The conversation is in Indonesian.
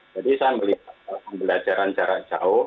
saya melihat pembelajaran jarak jauh